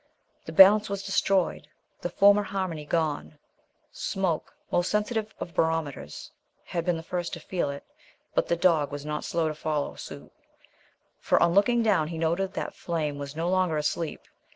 The balance was destroyed, the former harmony gone. Smoke, most sensitive of barometers, had been the first to feel it, but the dog was not slow to follow suit, for on looking down he noted that Flame was no longer asleep.